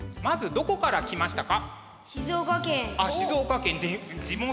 どこから来ましたか？